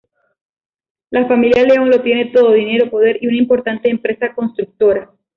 La familia León lo tiene todo: dinero, poder y una importante empresa Constructora.